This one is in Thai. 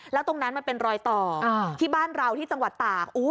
แล้วตรงนั้นมันเป็นรอยต่อที่บ้านเราที่จังหวัดตาก